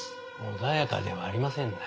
穏やかではありませんな。